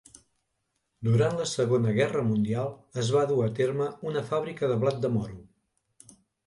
Durant la Segona Guerra Mundial es va dur a terme una fàbrica de blat de moro.